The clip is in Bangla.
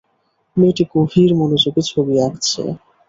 মেয়েটি গভীর মনোযোগে ছবি আঁকছে।